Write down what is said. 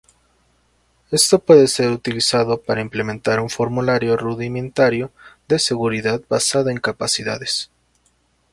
Esto puede ser utilizado para implementar un formulario rudimentario de seguridad basada en capacidades.